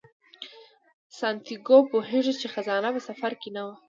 سانتیاګو پوهیږي چې خزانه په سفر کې نه وه.